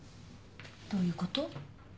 どういうこと？